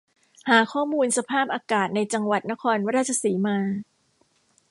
หาข้อมูลสภาพอากาศในจังหวัดนครราชสีมา